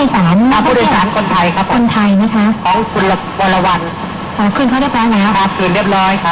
เป็นผู้โดยสารผู้โดยสารคนไทยครับคนไทยนะคะาของคุณหวัลวรรวร์